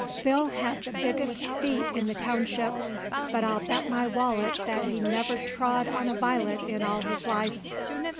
Bill had the biggest feet in the township, but I'll bet my wallet that he never trod on a violet in all his life.